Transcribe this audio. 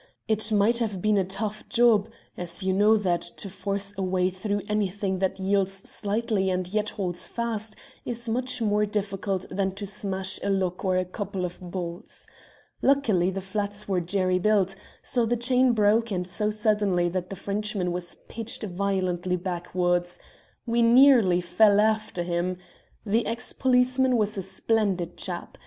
It might have been a tough job, as you know that to force a way through anything that yields slightly and yet holds fast is much more difficult than to smash a lock or a couple of bolts. Luckily the flats were jerry built, so the chain broke, and so suddenly that the Frenchman was pitched violently backwards. We nearly fell after him. The ex policeman was a splendid chap.